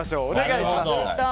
お願いします。